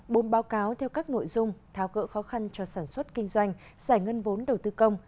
bốn báo cáo theo các nội dung tháo gỡ khó khăn cho sản xuất kinh doanh giải ngân vốn đầu tư công